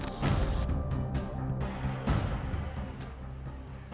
perbaikan kasus covid sembilan belas